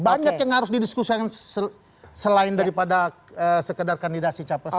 banyak yang harus didiskusikan selain daripada sekedar kandidasi capres